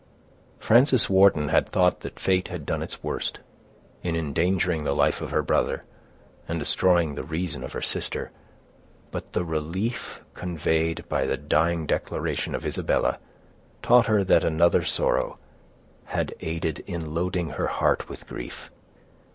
Frances Wharton had thought that fate had done its worst, in endangering the life of her brother, and destroying the reason of her sister; but the relief conveyed by the dying declaration of Isabella taught her that another sorrow had aided in loading her heart with grief.